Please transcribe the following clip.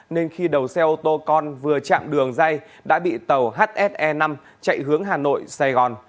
nên khi đầu xe ô tô con vừa chạm đường dây đã bị tàu hs năm chạy hướng hà nội sài gòn